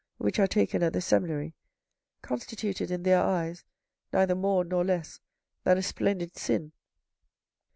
which are taken at the seminary, constituted in their eyes, neither more nor less than a splendid sin.